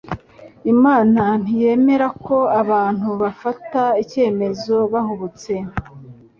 Imana ntiyemera ko abantu bafata icyemezo bahubutse,